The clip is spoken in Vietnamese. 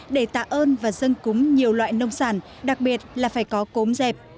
để tạ ơn và dâng cúng nhiều loại nông sản đặc biệt là phải có cốm dẹp